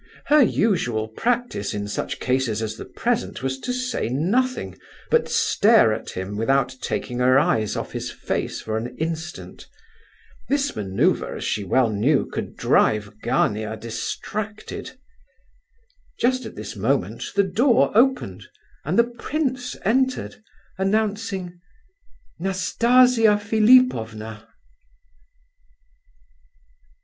Her usual practice in such cases as the present was to say nothing, but stare at him, without taking her eyes off his face for an instant. This manoeuvre, as she well knew, could drive Gania distracted. Just at this moment the door opened and the prince entered, announcing: "Nastasia Philipovna!"